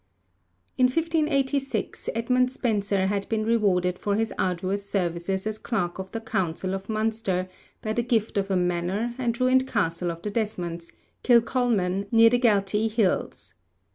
In 1586 Edmund Spenser had been rewarded for his arduous services as Clerk of the Council of Munster by the gift of a manor and ruined castle of the Desmonds, Kilcolman, near the Galtee hills.